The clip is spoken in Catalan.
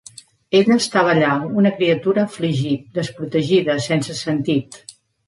Ella estava allà, una criatura afligit, desprotegida, sense sentit.